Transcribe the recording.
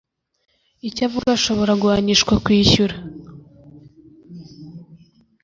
icyo avuga ashobora guhanishwa kwishyura